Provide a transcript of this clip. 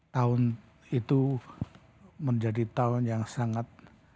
tahun itu menjadi tahun yang sangat